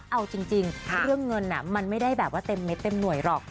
เอาจริงเรื่องเงินมันไม่ได้แบบว่าเต็มเม็ดเต็มหน่วยหรอก